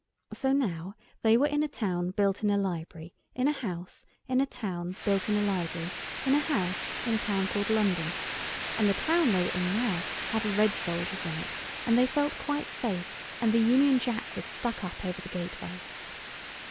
So now they were in a town built in a library in a house in a town built in a library in a house in a town called London—and the town they were in now had red soldiers in it and they felt quite safe, and the Union Jack was stuck up over the gateway.